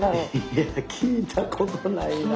いや聞いたことないな。